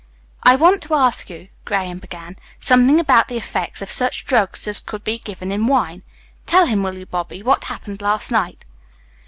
"I want to ask you," Graham began, "something about the effects of such drugs as could be given in wine. Tell him, will you, Bobby, what happened last night?"